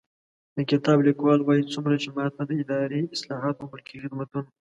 د کتاب لیکوال وايي، څومره چې ما ته د اداري اصلاحاتو او ملکي خدمتونو